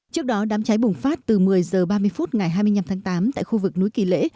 trước đó đám cháy bùng phát từ một mươi h ba mươi phút ngày hai mươi năm tháng tám tại khu vực núi kỳ lễ